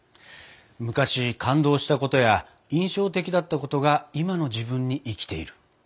昔感動したことや印象的だったことが今の自分に生きている。